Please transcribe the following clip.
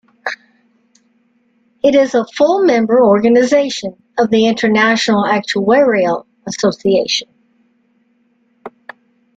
It is a full member organization of the International Actuarial Association.